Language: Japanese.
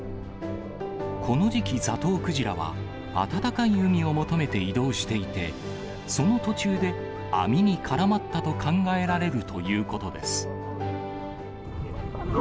この時期、ザトウクジラは暖かい海を求めて移動していて、その途中で網に絡まったと考えられるということです。